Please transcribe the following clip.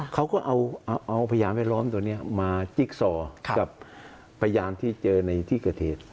เขาก็เอาพยานแวดล้อมตัวนี้มาจิ๊กซอกับพยานที่เจอในที่เกิดเหตุ